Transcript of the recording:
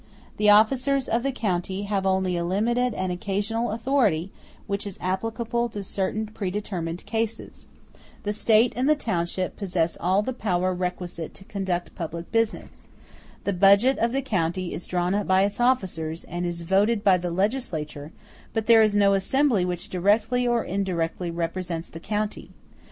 *h The officers of the county have only a limited and occasional authority, which is applicable to certain predetermined cases. The State and the townships possess all the power requisite to conduct public business. The budget of the county is drawn up by its officers, and is voted by the legislature, but there is no assembly which directly or indirectly represents the county.